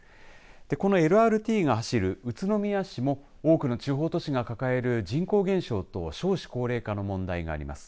このＬＲＴが走る宇都宮市も多くの地方都市が抱える人口減少と少子高齢化の問題があります。